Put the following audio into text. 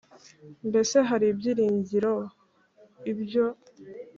Mbese hari ibyiringiro ibyo